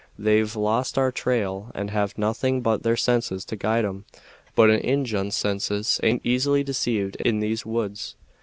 They've lost our trail and have nothing but their senses to guide 'em, but an Injun's senses aint easily deceived in these woods.